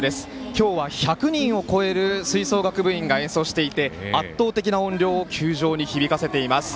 今日は１００人を超える吹奏楽部員が演奏していて、圧倒的な音量を球場に響かせています。